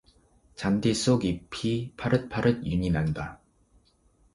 잔디 속 잎 이 파릇파릇 윤이 난다.